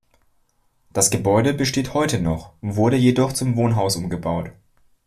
Das Gebäude besteht heute noch, wurde jedoch zum Wohnhaus umgebaut.